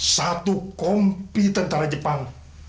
satu kompi tentara jepang